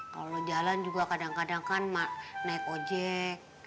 kalau jalan juga kadang kadang kan naik ojek